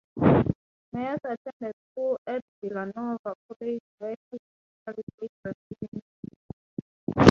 Meyers attended school at Villanova College where he initially played rugby union.